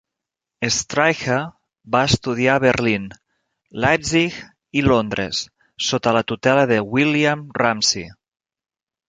Estreicher va estudiar a Berlín, Leipzig i Londres sota la tutela de William Ramsay.